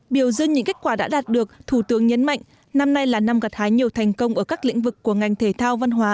biểu dương những kết quả đã đạt được thủ tướng nhấn mạnh năm nay là năm gặt hái nhiều thành công ở các lĩnh vực của ngành thể thao văn hóa